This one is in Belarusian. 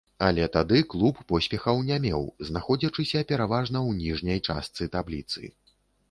Але тады клуб поспехаў не меў, знаходзячыся пераважна ў ніжняй частцы табліцы.